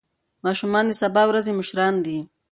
ماشومان د سبا ورځې مشران دي.